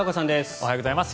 おはようございます。